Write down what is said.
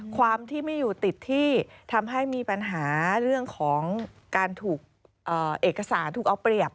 ความที่ไม่อยู่ติดที่ทำให้มีปัญหาเรื่องของการถูกเอกสารถูกเอาเปรียบ